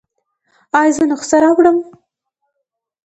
ایا زه نسخه راوړم؟